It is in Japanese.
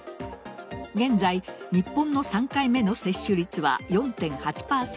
現在、日本の３回目の接種率は４．８％。